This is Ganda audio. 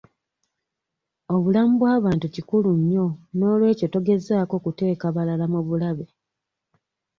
Obulamu bw'abantu kikulu nnyo n'olwekyo togezaako kuteeka balala mu bulabe.